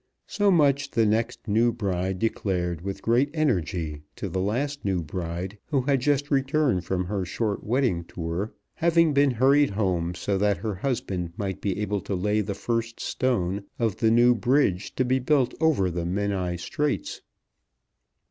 So much the next new bride declared with great energy to the last new bride who had just returned from her short wedding tour, having been hurried home so that her husband might be able to lay the first stone of the new bridge to be built over the Menai Straits.